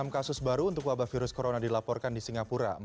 enam kasus baru untuk wabah virus corona dilaporkan di singapura